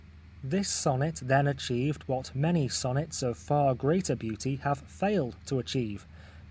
This sonnet then achieved what many sonnets of far greater beauty have failed to achieve.